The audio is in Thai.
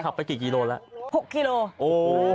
ไปกี่กิโลแล้วหกกิโลโอ้โห